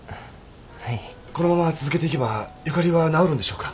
このまま続けていけばゆかりは治るんでしょうか？